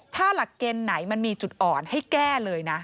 ถ้าหลักเกณฑ์ไหนมันมีจุดอ่อนให้แก้เลยนะ